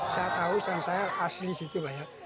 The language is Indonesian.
saya tahu yang saya asli situ banyak